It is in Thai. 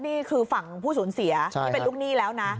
นี่คือฝั่งผู้สูญเสียที่เป็นลูกหนี้แล้วนะ